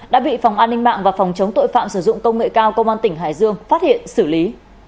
đã bị phòng an ninh mạng và phòng chống tội phạm sử dụng công nghệ cao công an tỉnh hải dương phát hiện xử lý